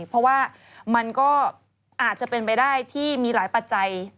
เพราะว่ามันก็อาจจะเป็นไปได้ที่มีหลายปัจจัย